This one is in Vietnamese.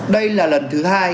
đây là lần thứ hai